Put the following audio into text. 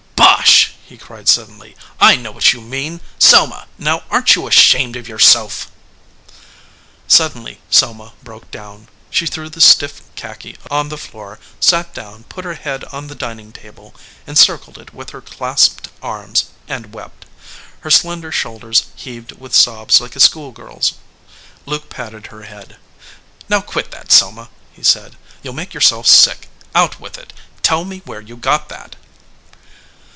"Bosh!" he cried suddenly. "I know what you mean! Selma, now aren t you ashamed of your self?" Suddenly Selma broke down. She threw the stiff khaki on the floor, sat down, put her head on the dining table, encircled it with her clasped 168 THE LIAR arms, and wept. Her slender shoulders heaved with sobs like a school girl s. Luke patted her head. "Now quit that, Selma," he said. "You ll make yourself sick. Out with it ! Tell me where you got that."